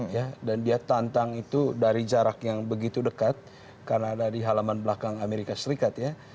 ya dan dia tantang itu dari jarak yang begitu dekat karena ada di halaman belakang amerika serikat ya